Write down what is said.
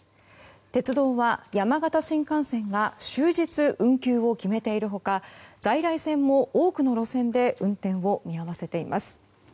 鉄道は、山形新幹線が終日運休を決めている他在来線も多くの路線で運転を見合わせています。